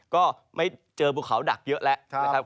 ก็ไม่เจอบุคเขาดักเยอะแล้ว